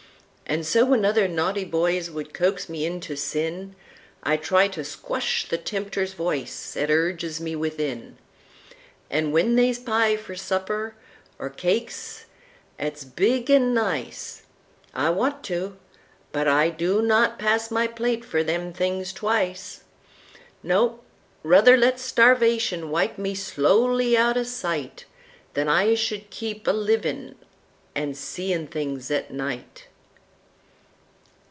An' so when other naughty boys would coax me into sin,I try to skwush the Tempter's voice 'at urges me within; An' when they's pie for supper, or cakes 'at's big an' nice,I want to—but I do not pass my plate f'r them things twice! No, ruther let Starvation wipe me slowly out o' sightThan I should keep a livin' on an' seein' things at night!